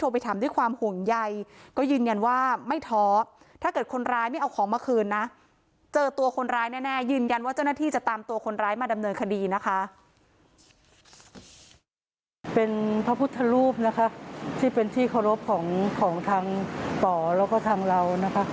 เป็นพระพุทธรูปนะคะที่เป็นที่เคารพของทางป่อแล้วก็ทางเรานะคะ